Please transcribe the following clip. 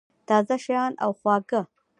تازه شیان او خواږه